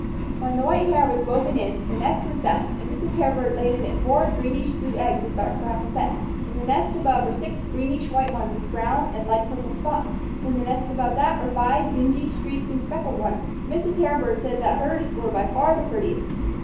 When the white hair was woven in, the nest was done, and Mrs. Hairbird laid in it four greenish blue eggs with dark brown specks. In the nest above were six greenish white ones with brown and light purple spots. In the nest above that were five dingy streaked and speckled ones. Mrs. Hairbird said that hers were by far the prettiest.